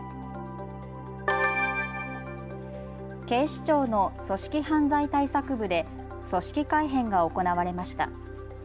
警視庁の組織犯罪対策部で組織改編が行われました。